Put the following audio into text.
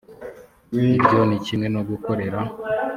ibyo ni kimwe no gukorera